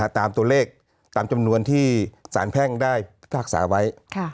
ตามตัวเลขตามจำนวนที่สารแพ่งได้พิพากษาไว้